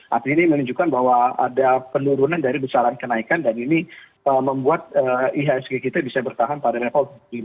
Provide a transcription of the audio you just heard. artinya ini menunjukkan bahwa ada penurunan dari besaran kenaikan dan ini membuat ihsg kita bisa bertahan pada level lima